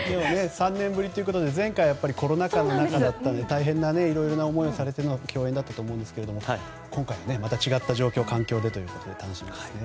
３年ぶりということで前回はコロナ禍だったので大変な思いをされての共演だったと思いますが今回また違った状況、環境でということで楽しみですね。